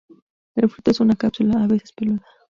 El fruto es una cápsula, a veces peluda.